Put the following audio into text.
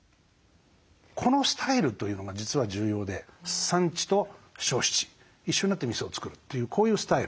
このスタイルというのが実は重要で産地と消費地一緒になって店を作るというこういうスタイル。